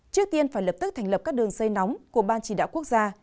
trước tiên phải lập tức thành lập các đường dây nóng của ban chỉ đạo quốc gia